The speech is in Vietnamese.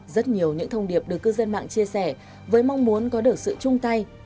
rất nhiều những thông điệp được cư dân mạng chia sẻ với mong muốn có được sự chung tay